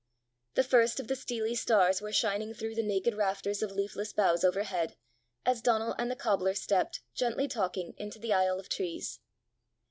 The first of the steely stars were shining through the naked rafters of leafless boughs overhead, as Donal and the cobbler stepped, gently talking, into the aisle of trees.